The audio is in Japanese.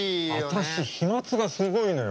私飛まつがすごいのよ。